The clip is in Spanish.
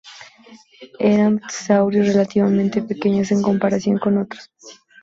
Eran pterosaurios relativamente pequeños, en comparación con otros.